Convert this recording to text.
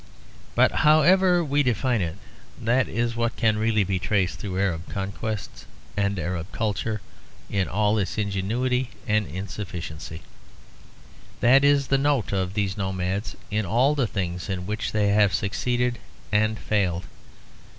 But however we define it, that is what can really be traced through Arab conquests and Arab culture in all its ingenuity and insufficiency. That is the note of these nomads in all the things in which they have succeeded and failed.